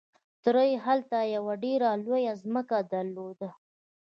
تره يې هلته يوه ډېره لويه ځمکه درلوده.